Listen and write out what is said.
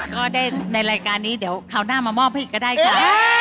ก็ในรายการนี้เดี๋ยวข้าวหน้ามามอบไปอีกก็ได้ค่ะ